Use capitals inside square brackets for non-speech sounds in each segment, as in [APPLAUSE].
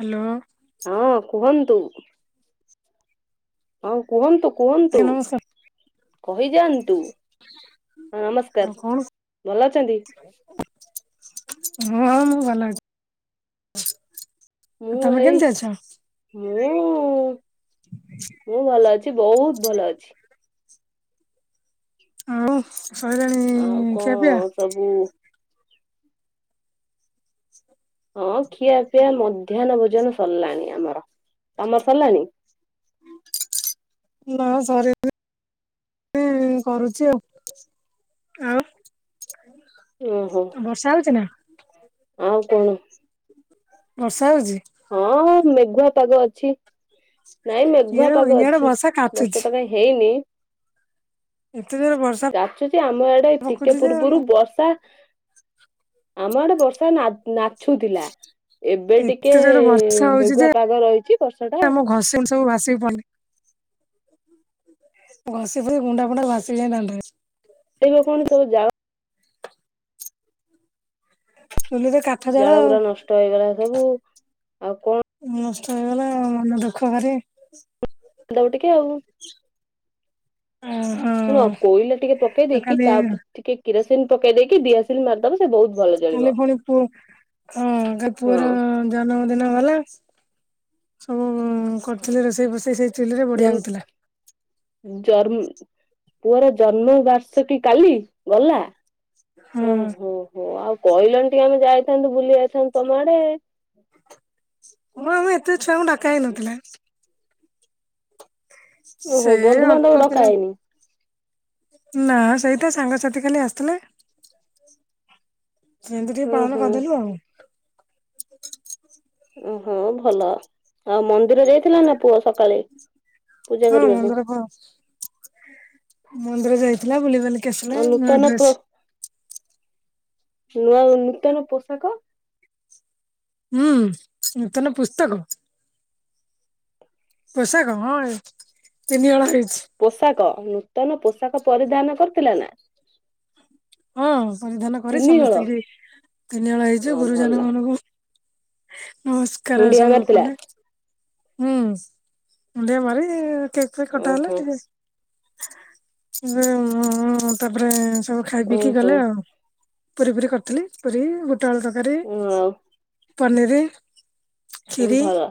Hello. ହଁ କୁହନ୍ତୁ ହଁ କୁହନ୍ତୁ ଆଜ୍ଞା କୁହନ୍ତୁ? ନମସ୍କାର କହିଯାଆନ୍ତୁ ଅଁ ଆଉ ନମସ୍କାର କଣ ଭଲ ଅଛନ୍ତି? ହଁ ମୁଁ ଭଲ ଅଛି। ଆଉ ମୁଁ ତମେ ହେଇ କେମିତି ଅଛ ମୁଁ ମୁଁ ଭଲ ଅଛି ବହୁତ ଭଲ ଅଛି। ଆଉ ସଇଲାଣି ଆଉ ଖିଆପିଆ? କଣ ସବୁ ହଁ ଖିଆ ପିଆ ମଧ୍ୟାହ୍ନ ଭୋଜନ ସରିଲାଣି ଆମର ତମର ସରିଲାଣି? ନାଁ ସରିନି। ଏଇ କରୁଛି ଆଉ ଆଉ। ଓହୋ ବର୍ଷା ହଉଛି ନାଁ? ଆଉ କଣ? ବର୍ଷା ହଉଛି? ହଁ ମେଘୁଆ ପାଗ ଅଛି ନାଇଁ ମେଘୁଆ ଇଆଡେ ପାଗ ଇଆଡେ ଅଛି ବର୍ଷା କାଚୁଛି ବର୍ଷା ତ କାଇଁ ହେ ହେଇନି। ଏତେ ଜୋରେ ବର୍ଷା କାଚୁଛି ଆମ ଆଡେ ଟିକେ ପକଉଛି ଯେ ପୂର୍ବରୁ ବର୍ଷା ଆମ ଆଡେ ବର୍ଷା ନା ନାଛୁଥିଲା ଏବେ ଟି ଏତେ ଜୋରରେ ବର୍ଷା ହଉଛି ଯେ ବର୍ଷା ଟା ଆମ ଘଷି ଗୁଣ୍ଡି ସବୁ ଭାସିକି ପଳେଇଲା। ହୁଁ ହୁଁ। ଘସି ସବୁ ଗୁଣ୍ଡା ଫୁଣ୍ଡା ଭାସିିଲାଣି ଦାଣ୍ଡରେ। ଏଇ ଯୋଉ କଣ ସବୁ ଜାଗା ସମସ୍ତେ ଖା ଜାଳ ଗୁୁରା ନଷ୍ଟ ହେଇଗଲା ସବୁ ଆଉ କଣ ନଷ୍ଟ ହେଇଗଲା ଆଉ ମନ ଦୁଃଖ ଭାରି। ଦଉ ଟିକେ ଆଉ। ଅଁ, ଶୁଣ କୋଇଲା ଟିକେ ପକେଇ ଦେଇକି ତା ଉପରେ ଟିକେ କିରସିନ୍ ପକେଇ ଦେଇକି ଦିଆସିଲ୍ ମାରଦବ। ସେ ବହୁତ ଭଲ ତାହେଲେ ଜଳିବ ଭଉଣୀ ପୁଅ ହଁ କାଲ ପୁଅର ହଁ ଅଁ, ଜନ୍ମ ଦିନ ଗଲା ସବୁ କରିଥିଲି ରୋଷେଇ ଫୁଷେଇ ସେଇ ଚୁଲିରେ ବଢିଆ ହଉଥିଲା। ଜନ ଜରମ୍ ପୁଅର ଜନ୍ମ ବାର୍ଷକି କାଲି ଗଲା? ହୁଁ ଓହୋ, ହୋ ଆଉ କଇଲନ ଟିକେ ଆମେ ଯାଇଥାନ୍ତୁ, ବୁଲି ଆଇଥାନ୍ତୁ ତୋମ ଆଡେ। ହଁ ଆମ ଏତେ ଛୁଆଙ୍କୁ ଡାକା ହେଇ ନଥିଲା। ସେ ଓହୋ! ଅଳ୍ପ ବନ୍ଧୁବାନ୍ଧବ ପିଲା ଡକା ହେଇନି। ନା ସେଇଟା ସାଙ୍ଗସାଥି ଖାଲି ଆସିଥିଲେ। ସେମତି ଟିକେ ଉଁ ପାଳନ ହୁଁ କରିଦେଲୁ ଆଉ। ଓହୋ, ଭଲ ଆଉ ମନ୍ଦିର ଯାଇଥିଲା ନା ପୁଅ ସକାଳେ? ପୂଜା ହଁ କରିବାକୁ ମନ୍ଦିର ଖ-ମନ୍ଦିର ଯାଇଥିଲା, ବୁଲି ବାଲି କି ଆସିଲ, ଆଉ ନୂଆ ନୂତନ ପ୍ର ଡ୍ରେସ୍ ନୂଆ, ନୂତନ ପୋଷାକ ହୁଁ, ନୂତନ ପୁସ୍ତକ? ପୋଷାକ ହଁ ଏ ତିନି ହଳ ହେଇଛି। ପୋଷାକ ନୂତନ ପୋଷାକ ପରିଧାନ କରିଥିଲା ନା? ହଁ ପରିଧାନ କରି ତିନି ହଳ ସମସ୍ତିଙ୍କି ତିନି ହଳ ଅ ହେଇଛି। ଭଲ ଗୁରୁଜନ ମାନଙ୍କୁ ନମସ୍କାର ମୁଣ୍ଡିଆ ସବୁ ମାରିଥିଲା କଲେ। ହୁଁ, ମୁଣ୍ଡିଆ ମାରି କେକ୍ ଫେକ୍ କଟା ହେଲା। ଓହୋ ଟିକେ ଯେ ମୋ ଅଁ, ତାପରେ ସବୁ ଓହୋ! ପୁରି ପୁରି କରିଥିଲି, ପୁରି ବୁଟଆଳୁ ତରକାରୀ, ହଁ ପନିରି। ହୁଁ, ଭଲ।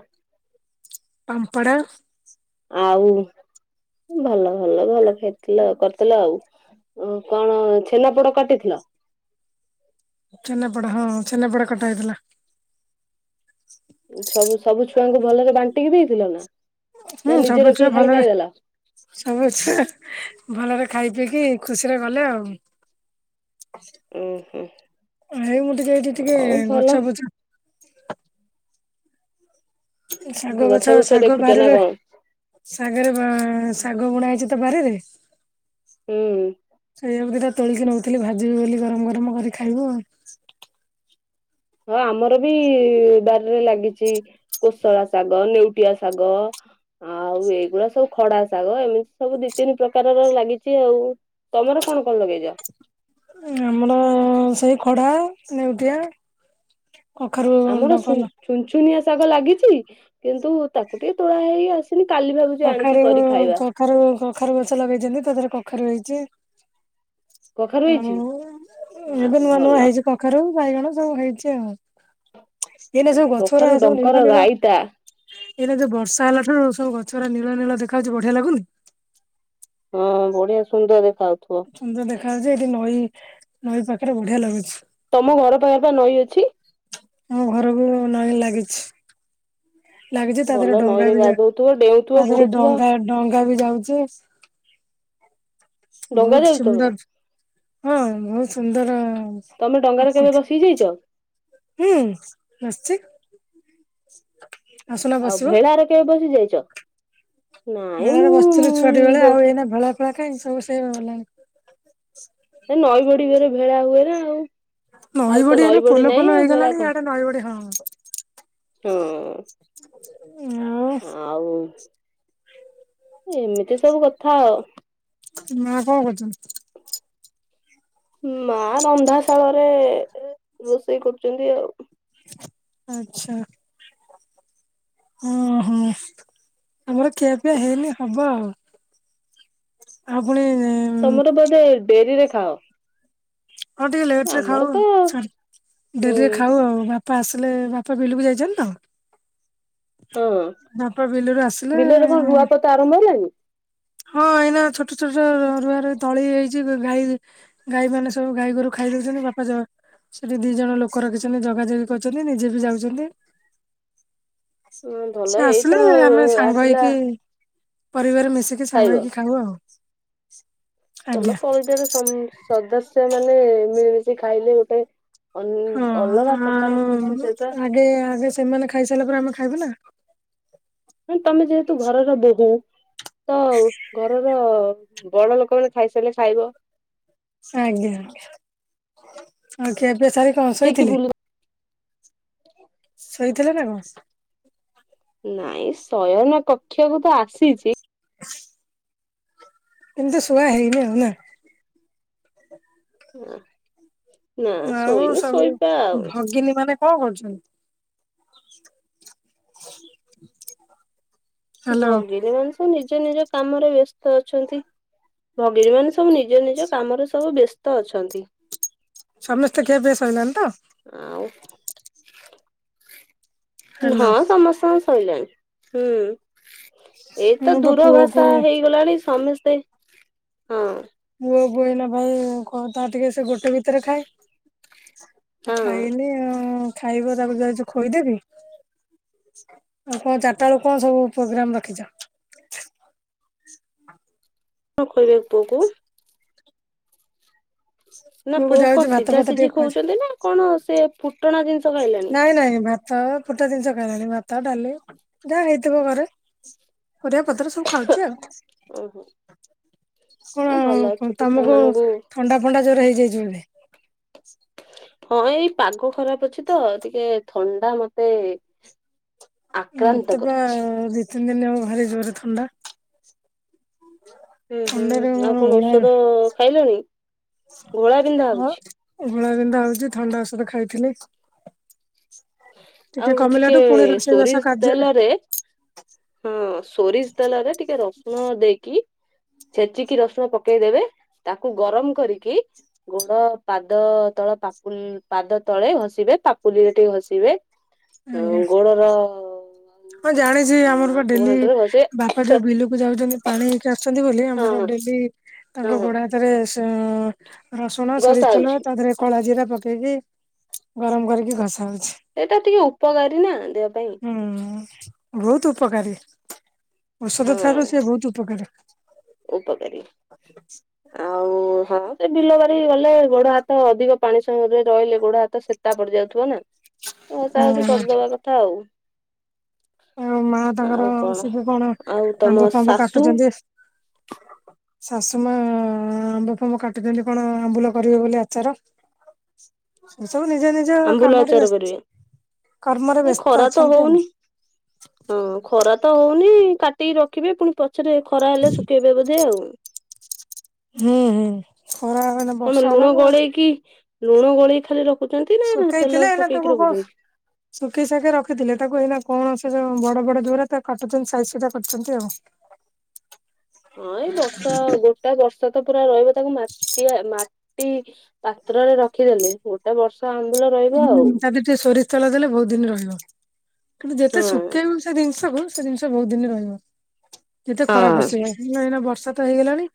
ପାମ୍ପଡ଼। ଆଉ ଭଲ, ଭଲ, ଭଲ ଖାଇଥିଲ କରିଥିଲ ଆଉ। ଓ କଣ ଛେନାପୋଡ କାଟିଥିଲ? ଛେନାପୋଡ଼ ହଁ ଛେନାପୋଡ଼ କଟା ହେଇଥିଲା। ସବୁ ସବୁ ଛୁଆଙ୍କୁ ଭଲରେ ବାଣ୍ଟିକି ଦେଇଥିଲ ନା? ହୁଁ ନା ନିଜେ ସବୁ ଛୁଆ ରଖିକି ଖାଲି ଭଲରେ ଖାଇଦେଲ? ସବୁ ଛୁଆ ଭଲରେ ଖାଇ ପିଇକି ଖୁସିରେ ଗଲେ ଆଉ। ଓ ହୋ। ଏଇ ମୁଁ ଟିକେ ଏଇଠି ଟିକେ ଗଛା ଫଛ ଏ ଶାଗ ଗଛ ବୁଛ ଶାଗ ଦେଖୁଛ ନା ବାରିରେ କଣ? ଶାଗରେ ବା- ଶାଗ ବୁଣା ହେଇଛି ତ ବାରିରେ। ହୁଁ ସେଇଆ କୁ ଦିଟା ତୋଳିକି ନଉଥିଲି ଭାଜିିବି ବୋଲି ଗରମ ଗରମ କରି ଖାଇବୁ ଆଉ। ହଁ ଆମର ବି ବାରିରେ ଲାଗିଛି। କୋଶଳା ଶାଗ, ନେଉଟିଆ ଶାଗ ଆଉ ଏଇଗୁଡା ସବୁ ଖଡା ଶାଗ ଏମି ସବୁ ଦି ତିନି ପ୍ରକାରର ଲାଗିଚି ଆଉ। ତୋମର କଣ କଣ ଲଗେଇଚ? ଆମର ସେଇ ଖଡା, ନେଉଟିଆ। କଖାରୁ ଆମର ସୁନ୍ ଡଙ୍କଲ ଛୁନଛୁନିଆ ଶାଗ ଲାଗିଛି, କିନ୍ତୁ ତାକୁ ଟିକେ ତୋଳା ହେଇ ଆସ ହେଲେ କାଲି ଭାବୁଛୁ ଆଣିକି କରି ଖାଇବା। ଖାରୁ କଖାରୁ ଗଛ ଲଗେଇଛନ୍ତି, ତା ଦେହରେ କଖାରୁ ହେଇଛି। କଖାରୁ ହେଇଛି ଆଉ ଆ ଏବେ ନୂଆ ନୂଆ ଭଲ ହେଇଛି କ ଖାରୁ, ବାଇଗଣ ସବୁ ହେଇଛି ଆଉ। ଏଇନା ସବୁ ଗଛରା କଖାରୁ ସବୁ ଡଙ୍କର ନୀଳ ନୀଳ ରାଇତା ଏଇନା ଯୋଉ ବର୍ଷା ହେଲା ଠାରୁ ସବୁ ଗଛ ଗୁରା ନୀଳ ନୀଳ ଦେଖାହଉଛୁ ବଢିଆ ଲାଗୁନି? ହଁ ବଢିଆ ସୁନ୍ଦର ଦେଖା ହଉଥୁବ। ସୁନ୍ଦର ଦେଖା ହଉଛି, ଏଇଠି ନଈ, ନଈ ପାଖରେ ବଢିଆ ଲାଗୁଛି। ତୋମ ଘର ପାଖରେ ପା ନଈ ଅଛି? ଆମ ଘରକୁ ନଈ ଲାଗିଛି। ଲାଗିଛି ତା ଦେହରେ ଭଲ ଡଙ୍ଗା ନଈରେ ବି ତା ଗାଧଉଥିବ ଡେଉଁଥିବ ଦେହରେ ବୁଡୁଥିବ ଡଙ୍ଗା ଡଙ୍ଗା ବି ଯାଉଛି ଡଙ୍ଗା ବହୁତ ଯାଉଛି ସୁନ୍ଦର ତମର ହଁ ବହୁତ ସୁନ୍ଦର। ତମେ ଡଙ୍ଗାରେ କେବେ ପ୍ରକୃତି ବସିକି ଯାଇଛ? ହୁଁ ବସିଛି। ଆସୁନା ଆଉ ବସିବ ଭେଳାରେ କେବେ ବସିକି ଯାଇଛ? ନାଇଁ ଭେଳା ରେ ବସିଥିଲୁ ଛୁଆଟି ବେଳେ ମୁଁ ଆଉ ଏଇ ଭେଳା ଫେଳା କାହିଁ ସବୁ ସେଇ ଗଲାଣି। ଏ ନଈ ବଢିବାରେ ଭେଳା ହୁଏ ନା ଆଉ। ଆଉ ତ ନଈ ଏଇନା ବଡି ପୋଲ ନାଇଁ ଫୋଲ ଆଉ ଭେଳା ହେଇଗଲାଣି କଣ, ଇଆଡେ ନଈ ବଡି ହଁ ହଁ। [UNINTELLIGIBLE] ଆଉ ଏମିତି ସବୁ କଥା ଆଉ। ଏଇନା କଣ କରୁଛନ୍ତି? ମା ରନ୍ଧାଶାଳରେ, ରୋଷେଇ କରୁଛନ୍ତି ଆଉ। ଆଚ୍ଛା। ଓହୋ। ଆମର ଖିଆପିଆ ହେଇନି ହବ ଆଉ। ଆଉ ପୁଣି ତମର ବୋଧେ ଡେରି ରେ ଖାଅ। ହଁ ଟିକେ ଲେଟ ରେ ଆମର ଖାଉ। ତ ହୁଁ ଡେରିରେ ଖାଉ ଆଉ। ବାପା ଆସିଲେ ବାପା ବିଲକୁ ଯାଇଛନ୍ତି ତ। ହଁ ବାପା ବିଲରୁ ଆସିଲେ। ବିଲରେ କଣ ରୁଆପୋତା ଆରମ୍ଭ ହେଲାଣି? ହଁ ଏଇନା ଛୋଟ ଛୋଟ ରୁଆରେ ତଳି ହେଇଛି, ଗାଈ ଗାଈ ମାନେ ସବୁ ଗାଈ ଗୋରୁ ଖାଇଦଉଛନ୍ତି। ବାପା ଯୋର ସେଠି ଦି ଜଣ ଲୋକ ରଖିଛନ୍ତି। ଜଗାଯଗି କରଛନ୍ତି। ନିଜେ ବି ଯାଉଛନ୍ତି। ହଁ ଭଲ ସେ ଏଇତ ଆସିଲେ ଆମେ ସାଙ୍ଗ ଆସିଲା ହେଇକି ପରିବାର ମିଶିକି ସାଙ୍ଗ ଖାଇବ। ହେଇକି ଖାଉ ଆଉ। ତଲ ଆଜ୍ଞା। ପରିବାର ସଦସ୍ୟ ମାନେ ମିଳିମଶି ଖାଇଲେ ଗୋଟେ ହଁ ଅଲଗା ପ୍ରକାର ଆଉ ଖୁସି ସେଇଟା। ଆଗେ ଆଗେ ସେମାନେ ଖାଇସାରିଲା ପରେ ଆମେ ଖାଇବୁ ନା। ହଁ ତମେ ଯେହେତୁ ଘରର ବୋହୂ ତ ଘରର ବଡ ଲୋକମାନେ ଖାଇସାରିଲେ ଖାଇବ। ଆଜ୍ଞା। ଆଉ ଖିଆପିଆ ସାରି କଣ ଯାଇକି ଶୋଇଥିଲି। ବୁଲ ଶୋଇଥିଲା ନା କଣ। ନାଇଁ ଶୟନ କକ୍ଷକୁ ତ ଆସିଛି, [INAUDIBLE] ଏମିତି ଶୁଆ ହେଇନି ଆଉ ନା? [UNINTELLIGIBLE] ଆଉ ଶୋଇନି ସବୁ ଶୋଇବା ଆଉ ଭଗିନୀ ମାନେ କଣ କରୁଛନ୍ତି? [INAUDIBLE] ହ୍ୟାଲୋ ଭଗିନି ମାନେ ସବୁ ନିଜ ନିଜ କାମରେ ବ୍ୟସ୍ତ ଅଛନ୍ତି। ଭଗଣୀ ମାନେ ସବୁ ନିଜ ନିଜ କାମରେ ସବୁ ବ୍ୟସ୍ତ ଅଛନ୍ତି। ସମସ୍ତେ ଖିଆପିଆ ସଇଲଣିି ତ? ଆଉ ହ୍ୟାଲୋ। ହଁ ସମସ୍ତଙ୍କ ସଇଲାଣି। ହୁଁ ଏଇତ ମୁଁ ତ ଦୂର ପୁଅକୁ ଭାଷା ହେଇଗଲାଣି ସମସ୍ତେ ହଁ। ପୁଅ ବୁହ ନ ଭାଇ କ ତା ଟିକେ ସେ ଗୋଟେ ଭିତରେ ଖାଏ। ଆଉ ହଁ କଣ ଖାଇନି ଆ ଖାଇବ ତାକୁ ଯାଇଛ ଖୋଇଦେବି। ଆଉ କଣ ଚାରିଟା ବଳୁ କଣ ସବୁ ପ୍ରୋଗ୍ରାମ ରଖିଛ? [INAUDIBLE] [UNINTELLIGIBLE] ନା ପୁଅକୁ ଯାଉଚି କଣ ଭାତ ସିଝା ଫାତ ସିଝି ଟିକେ ଖୁଆଇଛି ଖଉଛନ୍ତି ନା କଣ ସେ ଫୁଟଣା ଜିନ୍ ନାଇଁ ନାଇଁ ଭାତ୍ ଅ ଫୁଟା ଜିନିଷ ଖାଇବନି ଭାତ ଡାଲି ଯାହା ହେଇଥିବ ଘରେ ପରିବା ପତ୍ର ସବୁ। ଖାଉଛି ଆଉ ଓହୋ କଣ ଆ ଭଲ କ ଛୋଟ ଛୁଆ ତମକୁ ମାନଙ୍କୁ ଥଣ୍ଡା ଫଣ୍ଡା ଜୋରେ ହେଇଯାଇଛିନ୍ତି। ହଁ ଏଇ ପାଗ ଖରାପ ଅଛି ତ ଟିକେ ଥଣ୍ଡା ମତେ ଆକ୍ରାନ୍ତ ମତେ ପା କରିଛି। ଦି ତିନି ଦିନ ହବ ଭାରି ଜୋରେ ଥଣ୍ଡା। ହୁଁ ହୁଁ ଥଣ୍ଡାରେ ଆଉ ମୋର କଣ ଘୋଳା ଔଷଧ ଖାଇଲଣି? ଘୋଳା ବିନ୍ଧା ହଁ ହଉଛି ଘୋଳାବିନ୍ଧା ହଉଛି ଥଣ୍ଡା ଔଷଧ ଖାଇଥିଲି। ଆଉ କମିଲାଠୁ ଟିକେ ପୁଣି ରୋଷେଇବାସ ସୋରିଷ କାର୍ଯ୍ୟରେ ତେଲରେ ହଁ ସୋରିଷ ତେଲରେ ଟିକେ ରସୁଣ ଦେଇକି ଛେଚିକି ରସୁଣ ପକେଇଦବେ ତାକୁ ଗରମ କରିକି ଗୋଡ ପାଦ ତଳ ପାୁ ପାଦ ତଳେ ଘସିବେ ପାପୁଲିରେ ଟିକେ ଘସିବେ। ଆଜ୍ଞା ଆଉ ଗୋଡର ହଁ ଜାଣିଛି ଆମର ବା ଆଣ୍ଠୁ ଡେଲି ଗଣ୍ଠରେ ଘଷିବେ ବାପା ଯୋଉ ବିଲକୁ ଯାଉଛନ୍ତି ପାଣିଇକି ଆସୁଛନ୍ତି ବୋଲି ହଁ ଆମର ହଁ ଡେଲି ହଁ ତାଙ୍କ ହଁ ଗୋଡା ହାତରେ ସେ ରସୁଣ ଘଷା ସୋରିଷ ତେଲ ହଉଛି ତା ଦେହରେ କଳା ଜିରା ପକେଇକି ଗରମ କରିକି ଘଷା ହଉଛି। ଏଇଟା ଟିକେ ଉପକାରୀ ନା ଦେହ ପାଇଁ। ହୁଁ ବହୁତ ଉପକାରୀ ହଁ ଔଷଧ ଥାରୁ ସେ ବହୁତ ଉପକାରୀ। ଉପକାରୀ [INAUDIBLE] ଆଉ ହଁ ସେ ବିଲବାରି ଗଲେ ଗୋଡ ହାତ ଅଧିକ ପାଣି ସମୟରେ ରହିଲେ ଗୋଡ ହାତ ସେ ତା ପଡି ଯାଉଥିବ ନା ଘସା ଘସି ହୁଁ କରିଦବା କଥା ଆଉ ଆଉ ମା ଆଉ ତାଙ୍କର କଣ? ସିବୁ କଣ ଆଉ ତମ ଆମ୍ବ ଫମ୍ବ ଶାଶୁ କାଟୁଛନ୍ତି। ଶାଶୁମା ଆମ୍ବ ଫାମ୍ବ କାଟୁଛନ୍ତି କଣ ଆମ୍ବୁଲ କରିବେ ବୋଲି ଆଚାର। ଏ ସବୁ ନିଜ ନିଜ ଆମ୍ବୁଲ କାମରେ ଆଚାର ବ୍ୟସ୍ତ କରିବେ କର୍ମରେ ଏ ବ୍ୟସ୍ତ ଖରା ତ ଅଛନ୍ତି ହଉନି। ଆଉ ହଁ ଖରା ତ ହଉନି କାଟିକି ରଖିବେ ପୁଣି ସେରେ ଖରା ହେଲେ ଶୁଖେଇବେ ବୋଧେ ଆଉ ହୁଁ ହୁଁ ଖରା ମାନ ବର୍ଷା ହେଲାଣି ଆଉ କି ଲୁଣ ଗୋଳେଇ ଖାଲି ରଖୁଚନ୍ତି ନା ତେଲ ପକେଇକି ରଖୁଚନ୍ତି? ଶୁଖି ଶଖେ ରଖିଥିଲେ ତାକୁ ଏଇନା କଣ ସେ ଯୋ ବଡ ବଡ ଯୋଉରା ତା କାଟୁଚନ୍ତି ସାଇଜ ସୁଜା କରୁଚ଼ନ୍ତି ଆଉ ହଁ ଏଇ ବର୍ଷା ଗୋଟା ବର୍ଷା ତ ପୁରା ରହିବ ତାକୁ ମାଟିଆ ମାଟି ପାତ୍ରରେ ରଖିଦେଲେ ଗୋଟେ ବର୍ଷ ଆମ୍ବୁଲ ରହିବ ହୁଁ। ଆଉ। ତା ଦେହରେ ଟିକେ ସୋରିଷ ତେଲ ଦେଲେ ବହୁତ ଦିନ ରହିବ କିନ୍ତୁ ଯେତେ ହଁ। ଶୁଖେ ଜିନିଷ କୁ ସେ ଜିନିଷ ବହୁତ ଦିନ ରହିବ ଯେତେ ଖରାପ ହଁ ସିଲେ। ଏ ଏଇନା ବର୍ଷା ତ ହେଇଗଲାଣି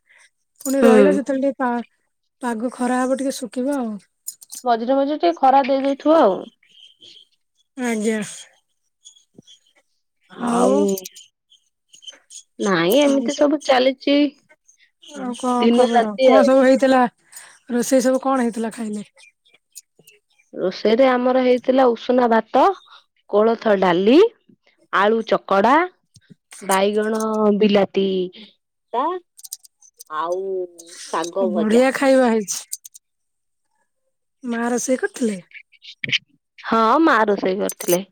ପୁଣି ହୁଁ ରହିଲା ଯେତେବେଳେ ଟିକେ ପା ପାଗ ଖରା ହବ ଟିକେ ଶୁଖିବ ଆଉ ମଝିରେ ମଝିରେ ଟିକେ ଖରା ଦେଇଦେଇଥିବ ଆଉ ଆଜ୍ଞା। ଆଉ ନାଇଁ ଆଉ ଏମିତି ସ ସବୁ ଚାଲିଚିଦିନ ରାତି ଆଉ ଥିଲା ରୋଷେଇ ସବୁ କଣ ହେଇଥିଲା ଖାଇଲେ ରୋଷେଇରେ ଆମର ହେଇଥିଲା ଉଷୁନା ଭାତ କୋଳଥ ଡାଲି ଆଳୁ ଚକଡ଼ା ବାଇଗଣ ବିଲାତି ପୋଡ଼ା ଆଉ ଆ ଶାଗ ଭଜା ବଢିଆ ଖାଇବା ହେଇଛି। ମା ରୋଷେଇ କରିଥିଲେ? ହଁ ମା ରୋଷେଇ କରିଥିଲେ।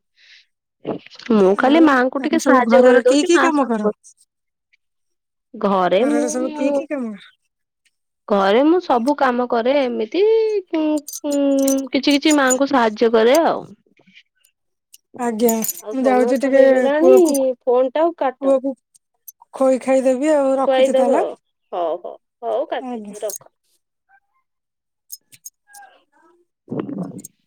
ମୁଁ ଖାଲି ଆଉ ମାଆଙ୍କୁ ତମେ ଟିକେ ସବୁ ସାହାଯ୍ୟ ଘରର କି କରିଦଉଚି କି ମା କାମ ସବୁ କର? କରୁ ଘରେ ମୁଁ ଘରର ସବୁ କି କି କାମ ଘରେ ମୁଁ ସବୁ କାମ କରେ ଏମିତି ଉଁ କିଛି କିଛି ମାଆଙ୍କୁ ସାହାଯ୍ୟ କରେ ଆଉ ଆଜ୍ଞା ଆଉ ମୁଁ ସମୟ ଯାଉଛି ତ ଟିକେ ହେଇଗଲାଣି ପୁଅକୁ ଫୋନ୍ ଟା ଆଉ କାଟ ପୁଅକୁ ଖୋଇ ଖାଇ ଦବି ଆଉ ରଖୁଛି ଖୁଆଇଦବ। ତାହେଲେ ହଉ ହଉ ହଉ ଆଜ୍ଞା କାଟିଦିଅ ରଖ। [UNINTELLIGIBLE]